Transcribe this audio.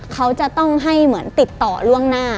เขาจะต้องให้เหมือนติดต่อล่วงหน้า